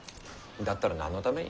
だったら何のために。